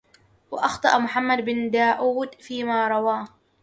وأخطأ محمد بن داود فيما رواه